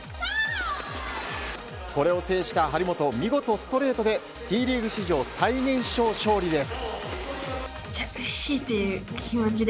これを制した張本見事ストレートでＴリーグ史上最年少勝利です。